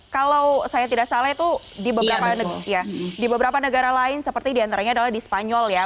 kalau saya tidak salah itu di beberapa negara lain seperti diantaranya adalah di spanyol ya